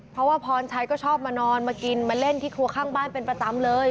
เพราะว่าพรชัยก็ชอบมานอนมากินมาเล่นที่ครัวข้างบ้านเป็นประจำเลย